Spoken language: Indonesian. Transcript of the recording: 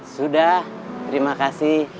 sudah terima kasih